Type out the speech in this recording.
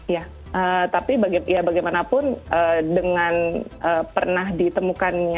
ya tapi ya bagaimanapun dengan pernah ditemukannya